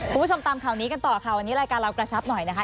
คุณผู้ชมตามข่าวนี้กันต่อค่ะวันนี้รายการเรากระชับหน่อยนะคะ